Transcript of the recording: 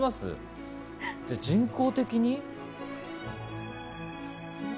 人工的に？